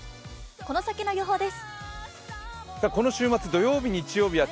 この先の予報です。